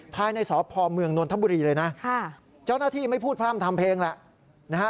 ภายในสพเมืองนนทบุรีเลยนะเจ้าหน้าที่ไม่พูดพร่ำทำเพลงแหละนะฮะ